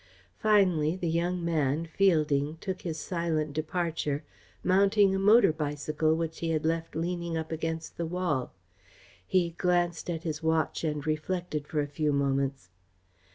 Finally the young man, Fielding, took his silent departure, mounting a motor bicycle which he had left leaning up against the wall. He glanced at his watch and reflected for a few moments.